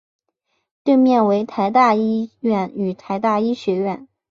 对面为台大医院与台大医学院。